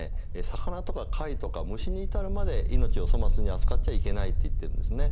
魚とか貝とか虫に至るまで命を粗末に扱っちゃいけないって言ってるんですね。